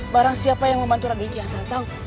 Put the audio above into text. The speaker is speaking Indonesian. barang siapa yang membantu raden kian santan